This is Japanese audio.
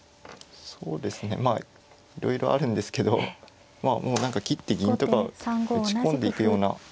そうですねまあいろいろあるんですけどもう何か切って銀とか打ち込んでいくような。